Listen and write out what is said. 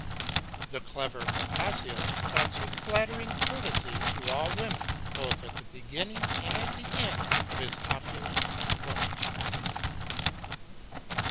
The clever Boccaccio talks with flattering courtesy to all women, both at the beginning and at the end of his opulent book.